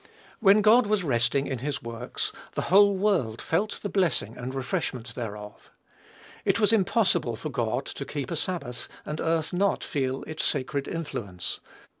When God was resting in his works, the whole world felt the blessing and refreshment thereof. It was impossible for God to keep a sabbath, and earth not to feel its sacred influence.